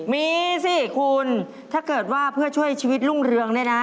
มีสิคุณถ้าเกิดว่าเพื่อช่วยชีวิตรุ่งเรืองเนี่ยนะ